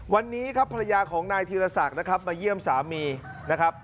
วันนี้ครับภรรยาของนายธีรศักดิ์นะครับมาเยี่ยมสามีนะครับ